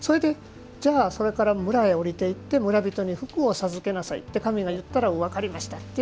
それから村に下りていって村人に、福を授けなさいって神が言ったら、分かりましたと。